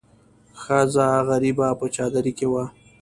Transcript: ښځه غریبه په چادرۍ کې وه.